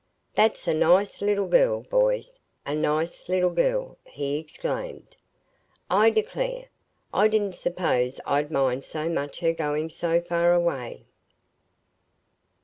"That's a nice little girl, boys, a nice little girl!" he exclaimed. "I declare! I didn't suppose I'd mind so much her going so far away."